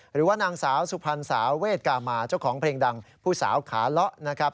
หรือว่านางสาวสุพรรณสาวเวทกามาเจ้าของเพลงดังผู้สาวขาเลาะนะครับ